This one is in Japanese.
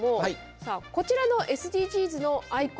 さあこちらのＳＤＧｓのアイコン